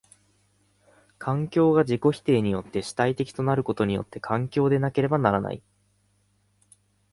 環境が自己否定によって主体的となることによって環境でなければならない。